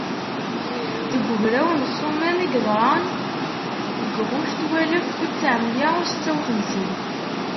Deg ugraw n Ssumam i yeḍran deg ɣuct walef u ttɛemya u setta u xemsin.